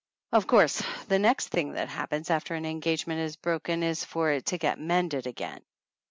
Of course the next thing that happens after an engagement is broken is for it to get mended again.